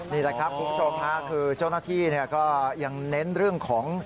นี่แหละครับคุณผู้ชมค่ะคือเจ้าหน้าที่ก็ยังเน้นเรื่องของ